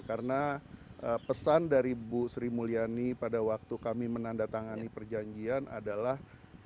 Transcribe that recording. karena pesan dari bu sri mulyani pada waktu kami menandatangani perjanjian adalah